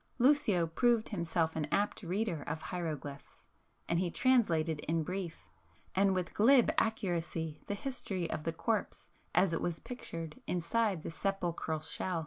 Lucio proved himself an apt reader of hieroglyphs, and he translated in brief, and with glib accuracy the history of the corpse as it was pictured inside the sepulchral shell.